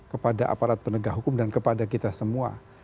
kepada aparat penegak hukum dan kepada kita semua